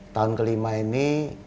tahun kelima ini